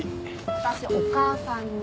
私お母さん似。